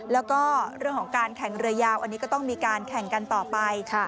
แล้วก็เรื่องของการแข่งเรือยาวอันนี้ก็ต้องมีการแข่งกันต่อไป